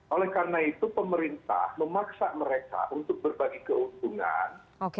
oleh karena itu pemerintah memaksa mereka untuk berbagi keuntungan